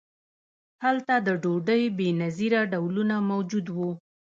هلته د ډوډۍ بې نظیره ډولونه موجود وو.